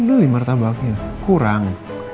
ini pilem mata bahagianya kurang